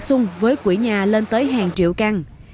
sung với quỹ nhà lên tới hàng triệu căn